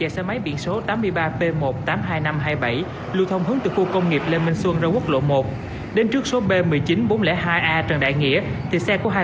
xin cảm ơn chị